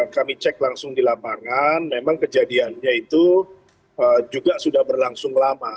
kami cek langsung di lapangan memang kejadiannya itu juga sudah berlangsung lama